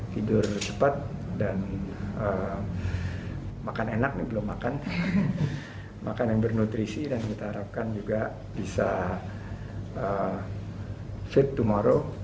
hidur cepat dan makan enak nih belum makan makan yang bernutrisi dan kita harapkan juga bisa sleep tomorrow